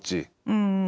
うん。